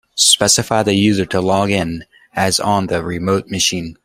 Specify the user to log in as on the remote machine.